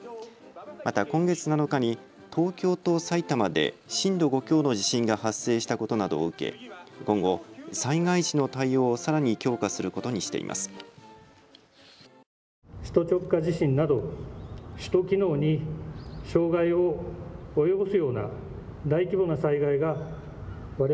また今月７日に東京と埼玉で震度５強の地震が発生したことなどを受け今後、災害時の対応をさらに強化することにしています。